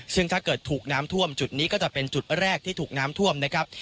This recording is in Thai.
ซึ่งถ้าเกิดถูกน้ำท่วมจุดนี้ก็จะเป็นจุดแรกที่ถูกน้ำท่วมนะครับ